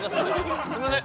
すいません。